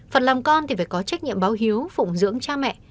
phần làm con thì phải có trách nhiệm báo hiếu phụng dưỡng cha mẹ